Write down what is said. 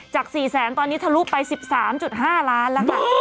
๔แสนตอนนี้ทะลุไป๑๓๕ล้านแล้วค่ะ